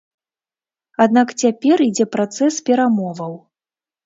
Аднак цяпер ідзе працэс перамоваў.